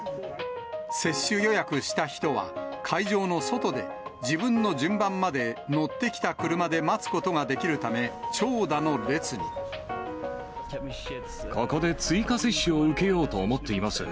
接種予約した人は、会場の外で、自分の順番まで、乗ってきた車で待つことができるため、長蛇の列ここで追加接種を受けようと思っています。